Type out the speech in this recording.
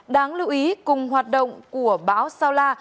đáng lưu ý cùng hoạt động của báo saula